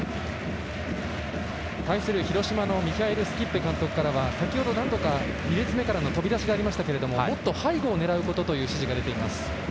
対する広島のミヒャエル・スキッベ監督は先ほど、何度か２列目からの飛び出しがありましたがもっと背後を狙うことという指示が出ています。